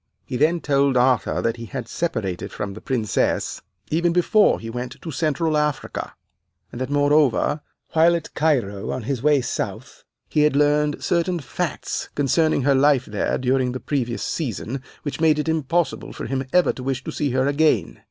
He then told Arthur that he had separated from the Princess even before he went to Central Africa, and that, moreover, while at Cairo on his way south, he had learned certain facts concerning her life there during the previous season, which made it impossible for him to ever wish to see her again.